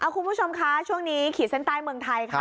คุณผู้ชมคะช่วงนี้ขีดเส้นใต้เมืองไทยค่ะ